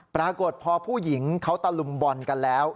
ปรากฏพอผู้หญิงเขาตะลุมบอลกันแล้ว